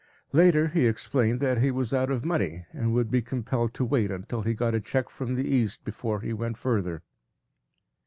Later he explained that he was out of money and would be compelled to wait until he got a check from the East before he went further.